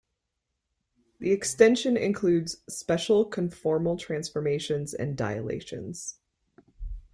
The extension includes special conformal transformations and dilations.